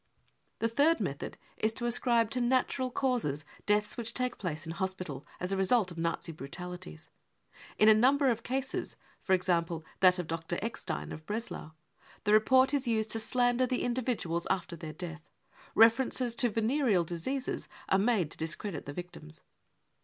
The third method is to ascribe to natural causes deaths which take place in hospital as a result of Nazi brutalities. In a number of cases (for example, that of Dr. Eckstein, of Breslau) the report is used to slander the individuals after their death ; references to venereal diseases are made to discredit the victims.